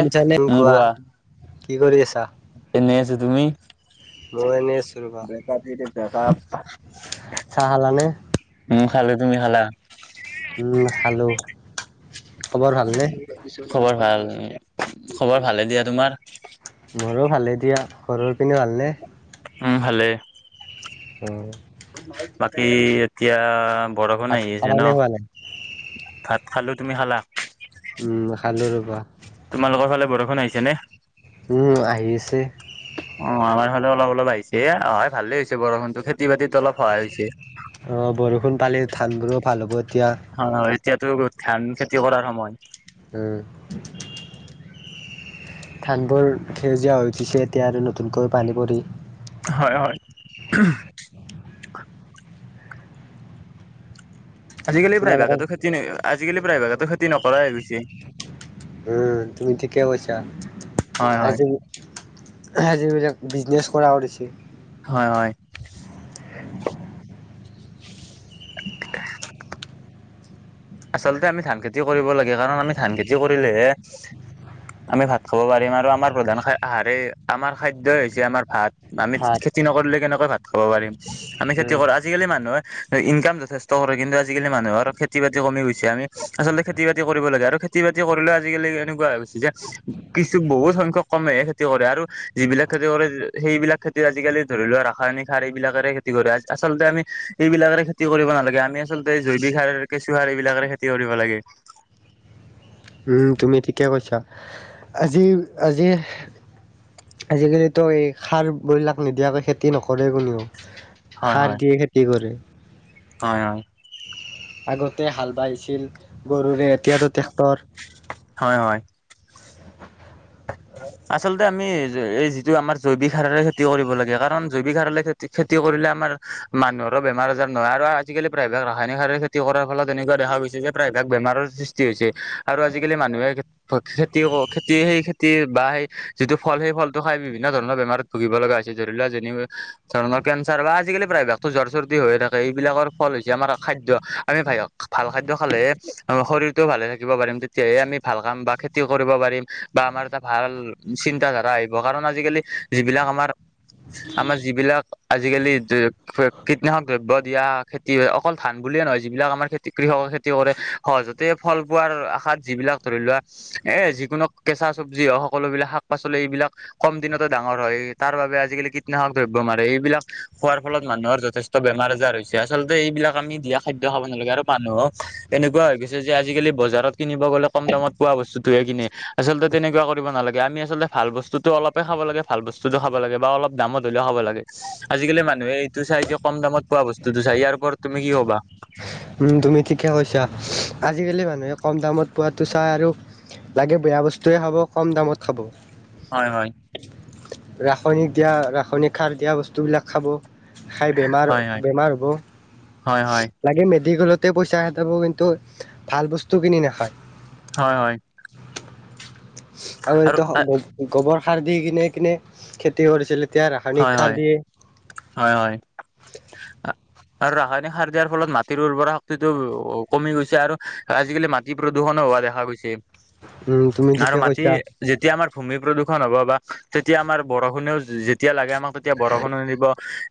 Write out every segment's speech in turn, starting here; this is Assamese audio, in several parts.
এ উম কোৱা, কি কৰি আছা? এনেই আছো, তুমি? মই এনেই আছো ৰবা। ব্ৰেক আপ দি দি, ব্ৰেক আপ। চাহ খালানে? উম, খালো। তুমি খালা? উম, খালো। খবৰ ভালনে? খবৰ ভাল, খবৰ ভালে দিয়া। তোমাৰ? মোৰো ভালে দিয়া। ঘৰৰ পিনে ভালনে? উম, ভালে। উম। বাকী, এতিয়া ভাত বৰষুণ আহি আছে খালানে ন? খোৱা নাই? ভাত খালোঁ। তুমি খালা? উম, খালো ৰবা। তোমালোকৰ ফালে বৰষুণ আহিছে নে? উম, আহিছে। অ, আমাৰ ফালেও অলপ- অলপ আহিছে। এ হয় ভালেই হৈছে। বৰষুণতো খেতি বাতিত অলপ সহায় হৈছে। অ, বৰষুণ পালে ধান বোৰো ভাল হ'ব এতিয়া। অ, এতিয়াতো ধান খেতি কৰাৰ সময়। উম। ধানবোৰ সেউজীয়া হৈ উঠিছে। এতিয়া আৰু নতুনকৈ পানী পৰি। হয়- হয়। আজিকালি তোমালোকৰ প্ৰায়ভাগতো খেতি, আজিকালি প্ৰায়ভাগতো খেতি নকৰাই হৈ গৈছে। উম, তুমি ঠিকে কৈছা। হয় হয় আজি আজিবিলাক বিজনেছ কৰা কৰিছে। হয়- হয়। আচলতে আমি ধান খেতিও কৰিব লাগে। কাৰণ আমি ধান খেতি কৰিলেহে আমি ভাত খাব পাৰিম। আৰু আমাৰ প্ৰধান খা আহাৰেই আমাৰ খাদ্যই হৈছে আমাৰ ভাত। আমি খেতি নকৰিলে কেনেকৈ ভাত খাব পাৰিম। আমি খেতি উম কৰো আজি আজিকালি মানুহে ইনকাম যথেষ্ট কৰে। কিন্তু আজিকালি মানুহৰ খেতি- বাতি কমি গৈছে। আমি আচলতে খেতি- বাতি কৰিব লাগে। আৰু খেতি- বাতি কৰিলেও আজিকালি এনেকুৱা হৈ গৈছে, যে কিছু বহুত সংখ্যাক কমেহে খেতি কৰে। আৰু যিবিলাক খেতি কৰে সেইবিলাক খেতি আজিকালি ধৰি লোৱা, ৰাসায়নিক সাৰ এইবিলাকেৰে খেতি কৰে। আচলতে আমি এইবিলাকেৰে খে খেতি কৰিব নালাগে। আমি আচলতে জৈৱিক সাৰেৰে কেঁচু‌সাৰ এইবিলাকেৰে খেতি কৰিব লাগে। হয়, তুমি ঠিকে কৈছা। আজি- আজি আজিকালিতো এই সাৰবিলাক নিদিয়াকৈ খেতি নকৰে কোনেও। হয় সাৰ হয় দিয়ে খেতি কৰে। হয়- হয়। আগতে হাল বাইছিল গৰুৰে। এতিয়াতো ট্ৰেক্টৰ। হয়- হয়। আচলতে আমি এই যিটো আমাৰ জৈৱিক সাৰৰে খেতি কৰিব লাগে। কাৰণ জৈৱিক সাৰ হ'লে খেতি খেতি কৰিলে আমাৰ, মানুহৰো বেমাৰ আজাৰ নহয়। আৰু আজিকালি প্ৰায়ভাগ ৰাসায়নিক সাৰৰ খেতি খেতি কৰাৰ ফলত এনেকুৱা দেখা গৈছে যে প্ৰায়ভাগ বেমাৰৰ সৃষ্টি হৈছে আৰু আজিকালি মানুহে খেতি অ খেতি সেই খে খেতি বা সেই যিটো ফল সেই ফলটো খাই বিভিন্ন ধৰণৰ বেমাৰত ভুগিব লগা হৈছে ধৰি লোৱা যেনিবা ধৰণৰ কেঞ্চাৰ বা আজিকালি প্ৰায়ভাগতো জ্বৰ চৰ্দি হৈয়ে থাকে এইবিলাকৰ ফল হৈছে আমাৰ খাদ্য আমি ভাইক ভাল খাদ্য খালেহে আমাৰ শৰীৰটো ভালে থাকিব পাৰিম তেতিয়াহে আমি ভাল কাম বা খেতি কৰিব পাৰিম বা আমাৰ এটা ভাল চিন্তাধাৰা আহিব কাৰণ আজিকালি যিবিলাক আমাৰ আমাৰ যিবিলাক আজিকালি দে কীটনাশক দ্ৰব্য দিয়া খেতি হয়, অকল ধান বুলিয়ে নহয় যিবিলাক আমাৰ খেতি কৃষকে খেতি কৰে। সহজতে ফল পোৱাৰ আশাত যিবিলাক ধৰি লোৱা এ যিকোনো কেঁচা চব্জি হওক সকলো বিলাক শাক -পাচলি এইবিলাক কম দিনতে ডাঙৰ হয় তাৰ বাবে আজিকালি কীটনাশক দ্ৰব্য মাৰে এইবিলাক খোৱাৰ ফলত মানুহৰ যথেষ্ট বেমাৰ- আজাৰ হৈছে, আচলতে এইবিলাক আমি দিয়া খাদ্য খাব নালাগে আৰু মানুহক এনেকুৱা হৈ গৈছে যে আজিকালি বজাৰত কিনিব গ'লে কম দামত পোৱা বস্তুটোহে কিনে আচলতে তেনেকুৱা কৰিব নালাগে, আমি আচলতে ভাল বস্তুটো অলপ হে খাব লাগে ভাল বস্তুটো খাব লাগে বা অলপ দামত হ'লেও খাব লাগে। আজিকালি মানুহে এইটো চাই যে কম দামত পোৱা বস্তুটো চাই ইয়াৰ ওপৰত তুমি কি ক'বা? উম তুমি ঠিকে কৈছা, আজিকালি মানুহে কম দামত পোৱাতো চাই আৰু লাগে বেয়া বস্তুয়ে খাব কম দামত খাব। হয় হয়। ৰাসায়নিক দিয়া ৰাসায়নিক সাৰ দিয়া বস্তুবিলাক খাব। খাই বেমাৰ হয় হয় বেমাৰ হয় হ'ব। লাগে মেডিকেলতে পইচা সেদাব কিন্তু ভাল বস্তু কিনি নাখায়। হয় হয়। আৰু এইটো গো গোবৰ সাৰ দি কিনে কিনে খেতি কৰিছিল এতিয়া হয় ৰাসায়নিক হয় সাৰ দিয়ে। হয় হয় আ আৰু ৰাসায়নিক সাৰ দিয়াৰ ফলত মাটিৰ উৰ্বৰা শক্তিটো কমি গৈছে আৰু আজিকালি মাট যি প্ৰদূষণো হোৱা দেখা গৈছে, উম তুমি আৰু ঠিকে মাটি কৈছা যেতিয়া আমাৰ ভূমি প্ৰদূষণ হ'ব বা তেতিয়া আমাৰ বৰষুণেও যেতিয়া লাগে আমাক তেতিয়া বৰষুণো নিদিব।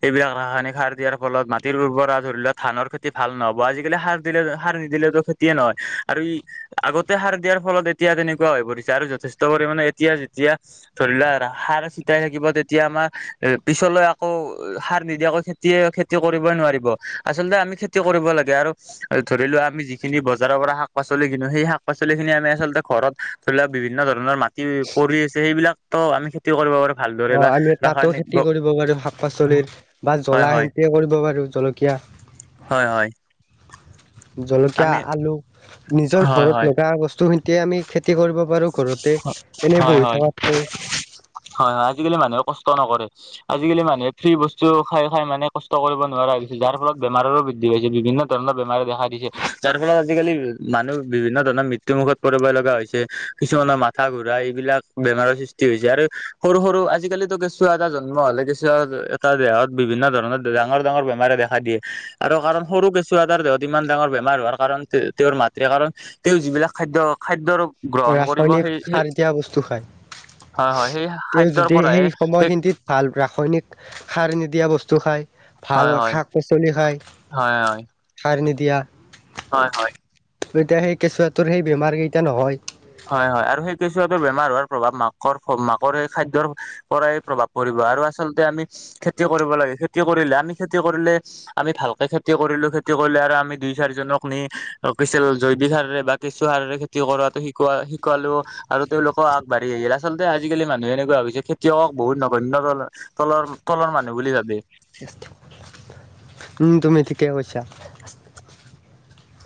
এইবিলাক ৰাসায়নিক সাৰ দিয়াৰ ফলত মাটিৰ উৰ্বৰা ধৰিলেও ধানৰ খেতি ভাল নহব আজিকালি সাৰ দিলে সাৰ নিদিলেতো খে তিয়ে নহয় আৰু ই আগতে সাৰ দিয়াৰ ফলত এতিয়া তেনেকুৱা হৈ পৰিছে আৰু যথেষ্ট পৰিমণে এতিয়া যেতিয়া ধৰিলোৱা সাৰ চিতিয়াই থাকিব তে এতিয়া আমাৰ পিছলৈ আকৌ সাৰ নিদিয়াকৈ খেতিয়ে খেতি কৰিবই নোৱাৰিব। আচলতে আমি খেতি কৰিব লাগে আৰু ধৰিলোৱা আমি যিখিনি বজাৰৰ পৰা শাক- পাচলি কিনো সেই শাক- পাচলি খিনি আমি আচলতে ঘৰত ধৰি লোৱা বিভিন্ন ধৰণৰ মাটি পৰি আছে সেইবিলাকতো আমি খেতি কৰিব পাৰো অ ভালদৰে বা আমি তাতো ৰাসায়নিক খেতি কৰিব পাৰো শাক-পাচলিৰ বা হয় জলা হয় খেতি কৰিব পাৰোঁ জলকীয়া। হয় হয়। জলকীয়া, আমি আলু নিজৰ হয় ঘৰত হয় লগা বস্তুখিনিতে আমি খেতি কৰিব পাৰোঁ ঘৰতে হয় এনেই হয় বহি থকাতকৈ। হয় হয়, আজিকালি মানুহে কষ্ট নকৰে। আজিকালি মানুহে ফ্ৰী বস্তু খাই খাই মানে কষ্ট কৰিব নোৱাৰা হৈ গৈছে, যাৰ ফলত বেমাৰৰো বৃদ্ধি হৈছে বিভিন্ন ধৰণৰ বেমাৰে দেখা দিছে যাৰ ফলত আজিকালি মানুহ বিভিন্ন ধৰণৰ মৃত্যু মুুখত পৰিব লগা হৈছে। কিছুমানৰ মাথা ঘূৰা এইবিলাক বেমাৰৰ সৃষ্টি হৈছে আৰু সৰু সৰু আজিকালিতো কি কেঁচু এটা জন্ম হলে কেঁচুৱা এটা দেহত বিভিন্ন ধৰণৰ ডাঙৰ ডাঙৰ বেমাৰে দেখা দিয়ে। আৰু কাৰণ সৰু কেঁচুৱাটাৰ দেহত ইমান ডাঙৰ বেমাৰ হোৱাৰ কাৰণ তেওঁৰ মাতৃ কাৰণ তেওঁ যিবিলাক খাদ্য খাদ্যৰ গ্ৰহণ কৰিব সেই সেই সাৰ দিয়া বস্তু খায়, হয় হয় সেই তেওঁ খাদ্যৰ যদি পৰাহে সেই সময়খিনিত ভাল ৰাসায়নিক সাৰ নিদিয়া বস্তু খায়। ভাল হয় হয় শাক পাচলি খাই হয় হয় সাৰ নিদিয়া। হয় হয়। এতিয়া সেই কেঁচুৱাটোৰ সেই বেমাৰকেইটা নহয়। হয় হয়, আৰু সেই কিছুুৱটোৰ বেমাৰ হোৱাৰ প্ৰভাৱ মাকৰ মাকৰ এই খাদ্যৰ পৰাই প্ৰভাৱ পৰিব আৰু আচলতে আমি খেতি কৰিব লাগে খেতি কৰিলে আমি খেতি কৰিলে আমি ভালকে খেতি কৰিলো খেতি কৰিলে আৰু আমি দুই চাৰিজনক নি কিছিল জৈৱিক সাৰৰে বা কেঁচু সাৰৰে খেতি কৰা শিকোৱা শিকালো আৰু তেওঁলোকক বাঢ়ি আহিল আচলতে আজিকালি মানুহে এনেকুৱা হৈছে খেতিয়ক বহুত ন তলৰ তলৰ মানুহ বুলি ভাবে। উম তুমি ঠিকেই কৈছা।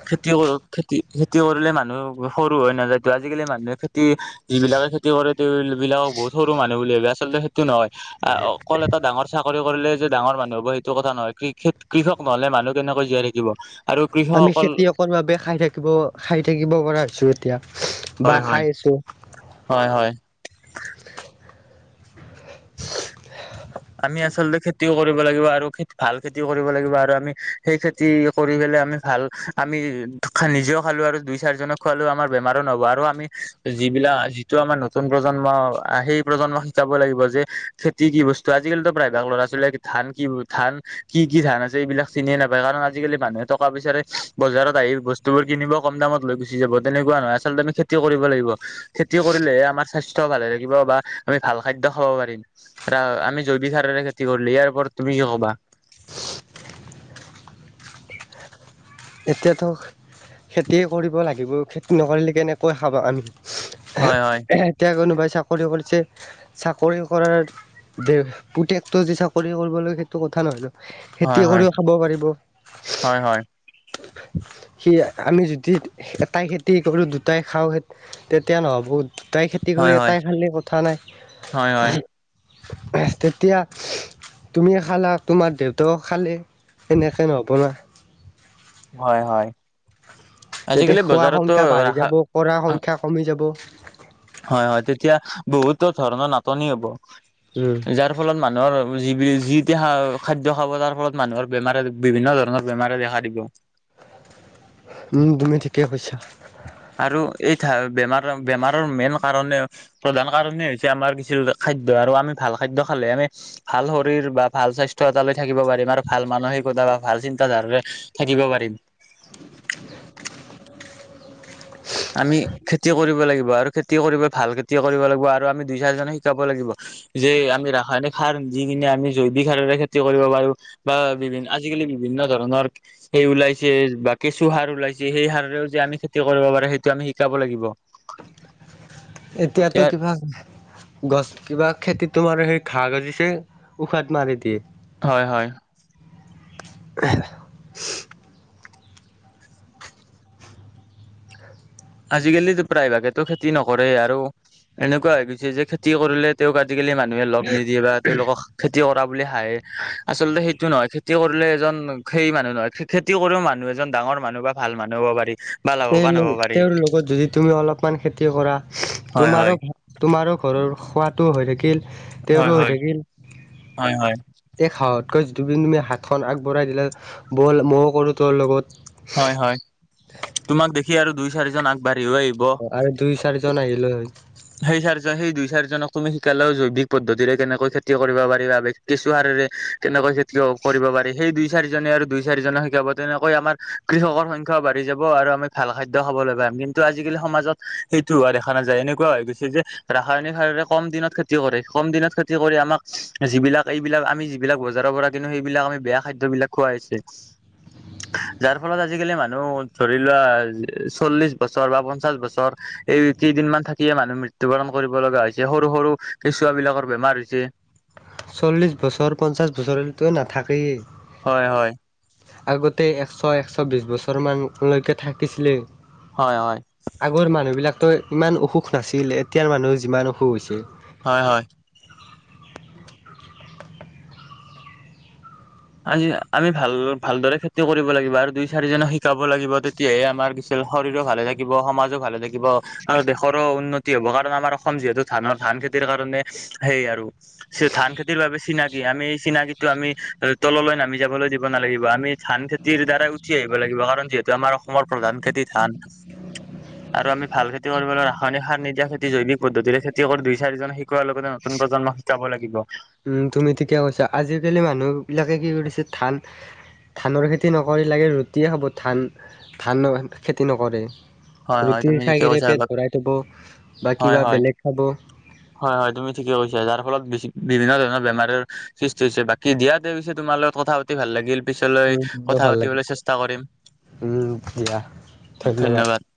খেতি কৰা খেতি খেতি কৰিলে মানুহ সৰু হৈ নাযায়টো, আজিকালি মানুহে খেতি যিবিলাকে খে তি কৰে তেওঁ বিলাকক বহুত সৰু মানুহ বুলি ভাবে আচলতে সেইটো নহয়। আহ অকল এটা ডাঙৰ চাকৰি কৰিলে যে ডাঙৰ মানুহ হব সেইটো কথা নহয়, কৃ কৃষক নহলে মানুহ কেনেকৈ জীয়াই থাকিব। আৰু আমি কৃষকসকল খেতিয়কৰ বাবে খাই থাকিব খাই থাকিব পৰা হৈছো এতিয়া বা হয় হয় খাই আছো। হয় হয়। আমি আচলতে খেতিও কৰিব লাগিব, আৰু খ ভাল খেতিও কৰিব লাগিব আৰু আমি সেই খে তি কৰি পেলাই আমি ভাল আমি নিজেও খালো আৰু দুই চাৰিজনক খোৱালোও আমাৰ বেমাৰো নহব, আৰু আমি যিবিলাক যিটো আমাৰ নতুন প্ৰজন্ম সেই প্ৰজন্মক শিকাব লাগিব যে খেতি কি বস্তু ত' আজিকালিতো প্ৰায়ভাগ ল'ৰা ছোৱালীয়ে ধান কি ধান কি কি ধান আছে এইবিলাক চিনিয়ে নাপায়, কাৰণ আজিকালি মানুহে টকা পইচাৰে বজাৰত আহি বস্তুবোৰ কিনিব কম দামত লৈ গুচি যাব তেনেকুৱা নহয়, আচলতে আমি খেতি কৰিব লাগিব। খেতি কৰিলেহে আমাৰ স্বাস্থ্য ভালে থাকিব বা আমি ভাল খাদ্য খাব পাৰিম। ৰা আমি জৈৱ সাৰেৰে খেতি কৰিল ইায়াৰ ওপৰত তুমি কি কবা? এতিয়াতো খেতিয়ে কৰিব লাগিব, খেতি নকৰিলে কেনেকৈ খাব আমি। হয় হয় এতিয়া কোনোবাই চাকৰি কৰি কৰিছে। চাকৰি কৰাৰ দে পুতেকটো যে চাকৰি কৰিবলৈ সেইটো কথা নহয় ন। হয় খেতি কৰিও খাব পাৰিব। হয় হয়। সি আমি যদি এটাই খেতি কৰো দুটাই খাওঁ। তেতিয়া নহব, দুটাই খেতি কৰি হয় হয় হয় এটাই খালে কথা নাই। হয় হয় তেতিয়া তুমিও খালা তোমাৰ দেউতাও খালে। এনেকে নহ'ব ন'। হয় হয়, তেতিয়া আজিকালি খোৱা বজাৰতো সংখ্যা বাঢ়ি যাব ৰাসা কৰা সংখ্যা কমি যাব। হয় হয়, তেতিয়া বহুতো ধৰণৰ নাটনি হ'ব। উম যাৰ ফলত মানুহৰ যি যিটি খাদ্য খাব তাৰ ফলত মানুহৰ বেমাৰে বিভিন্ন ধৰণৰ বেমাৰে দেখা দিব। উম, তুমি ঠিকে কৈছা। আৰু এই বেমাৰৰ বেমাৰৰ মেইন কাৰণে প্ৰধান কাৰণে হৈছে আমাৰ কিছু খাদ্য, আৰু আমি ভাল খাদ্য খালে আমি ভাল শৰীৰ বা ভাল স্বাস্থ্য এটালৈ থাকিব পাৰিম আৰু ভাল মানসিকতা বা ভাল চিন্তাধাৰাৰে থাকিব পাৰিম [unintelligible] আমি খেতি কৰিব লাগিব আৰু খেতি কৰিব ভাল খেতি কৰিব লাগিব আৰু আমি দুই চাৰিজনে শিকাব লাগিব যে আমি ৰাসায়নিক সাৰ দি কিনে আমি জৈৱিক সাৰৰে খেতি কৰিব পাৰো বা বিভিন্ আজিকালি বিভিন্ন ধৰণৰ সেই ওলাইছে বা কেঁচু সাৰ ওলাইছে সেই সাৰও যে আমি খেতি কৰিব পাৰো সেইটো আমি শিকাব লাগিব এতিয়াতো কিবা গছ কিবা খেতিত তোমাৰ সেই ঘাঁহ গজিছে উশাত মাৰি দিয়ে হয় হয় হে হে আজিকালিতো প্ৰায়ভাগেতো খেতি নকৰেই আৰু এনেকুৱা হৈ গৈছে যে তি কৰিলে তেওঁক আজিকালি মানুহে লগ নিদিয়ে বা তেওঁলোকক খেতি কৰা বুলি হাঁহে আচল্ততে সেইটো নহয় খেতি কৰিলে এজন খেই মানুহ নহয় খেতি কৰি মানুহ এজন ডাঙৰ মানুহ বা ভাল মানুহ হ'ব পাৰি বা তেওঁ লাভৱান হ'ব পাৰি তেওঁৰ যদি তুমি অলপমান খেতি কৰা হয় তোমাৰো হয় ভাল তোমাৰো ঘৰৰ খোৱাটো হৈ থাকিল হয় তেওঁৰো হৈ হয় থাকিল হয় হয় এই খাঁওহতকৈ যি তুমি হাতখন আগবঢ়াই দিলা বল মইয় কৰো তোৰ লগত হয় হয় তোমাক দেখি আৰু দুই চাৰিজন আগ অ', আৰু দুই চাৰিজন আহিল হয় সেই চাৰজন সেই দুই চাৰজনক তুমি শিকালেও জৈৱিক পদ্ধতিৰে কেনেকৈ খেতি কৰিব পাৰি বা কেঁচু সাৰৰে কেনেকৈ খেতি কৰিব পাৰে সেই দুই চাৰিজনে আৰু দুই চাৰিজনক শিকাব তেনেকৈ আমাৰ কৃষকৰ সংখ্যাও বাঢ়ি যাব আৰু আমি ভাল খাদ্য খাবলৈ পাম কিন্তু আজিকালি সমাজত সেইটো হোৱা দেখা নাযায় এনেকুৱা হৈ গৈছে যে ৰাসায়নিক সাৰৰে কম দিনত খেতি কৰে কম দিনত খেতি কৰি আমাক যিবিলাক এইবিলাক আমি যিবিলাক বজাৰৰ পৰা কিন্তু সেইবিলাক আমি বেয়া খাদ্যবিলাক খুৱাইছে [unintelligible] যাৰ ফলত আজিকালি মানুহ ধৰি লোৱা চল্লিশ বছৰ বা পঞ্চাশ বছৰ এই কেইদিনমান থাকিয়ে মানুহে মৃত্যু বৰণ কৰিব লগা হৈছে সৰু সৰু কেঁচুৱ বিলাকৰ বেমাৰ হৈছে চল্লিশ বছৰ পঞ্চাশ বছৰলৈতো নাথাকেই হয়, হয় আগতে এশ এশ বি বছৰমানলৈকে থাকিছিলে হয় হয় আগৰ মানুহবিলাকতো ইমান অসুখ নাছিল এতিয়াৰ মানুহ যিমান অসুখ হৈছি হয়, হয় আজি আমি ভাল ভালদৰে খেতি কৰিব লাগিব আৰু দুই চাৰিজনক শিকাব লাগিব তেতিয়াহে আমাৰ কিছ এইফালে শৰীৰো ভালে থাকিব সমাজো ভালে থাকিব আৰু দেশৰো উন্নত তি হ'ব কাৰণ আমাৰ অসম যিহেতু ধানৰ ধান খেতিৰ কাৰণে সেই আৰু চি ধান খেতিৰ বাবে চিনাকি আমি এই চিনাকীটো আমি তললৈ নামি যাবলৈ দিব নালাগিব আমি ধান খেতিৰ দ্বাৰাই উঠি আহিব লাগিব কাৰণ যিহেতু আমাৰ অসমৰ প্ৰধান খেতি ধান [unintelligible] আৰু আমি ভাল খেতি কৰিবলৈ ৰাসায়নিক সাৰ নিদিয়া খেতি জৈৱিক পদ্ধতিৰে খেতি কৰো দুই চাৰিজননে শিকোৱাৰ লগতে নতুন প্ৰজন্মক শিকাব লাগিব উম তুমি ঠিকে কৈছা। আজিকালি মানুহবিলাকে কি কৰিছে ধান ধানৰ খেতি নকৰি লাগে ৰুটিয়ে খাব ধান ধান খেতি নকৰে। হয় হয় ৰুটি তুমি খাই ঠিকে কিনে কৈছা পেট ভৰাই থব, বা হয় কিবা হয় বেলেগ খাব। হয় হয় তুমি ঠিকে কৈছা। যাৰ ফলত বিভিন্ন ধৰণৰ বেমাৰৰ সৃষ্টি হৈছে। বাকী দিয়াতে পিছে তোমাৰ লগত কথা পাত তি ভাল লাগিল। পিছলৈ উম বৰ কথা ভাল লাগে পাতিবলৈ চেষ্টা কৰিম। উম দিয়া ধন্যবাদ।